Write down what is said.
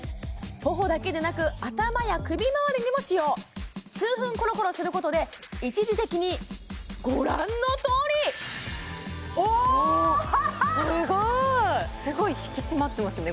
頬だけでなく頭や首まわりにも使用数分コロコロすることで一時的にご覧のとおりおおっすごいすごい引き締まってますね